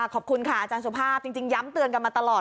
ขอบคุณค่ะอาจารย์สุภาพจริงย้ำเตือนกันมาตลอด